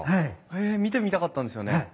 へえ見てみたかったんですよね。